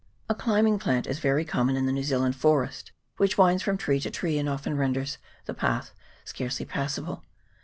A climbing plant is very common in the New Zealand forest, which winds from tree to tree, and often renders the path scarcely passable.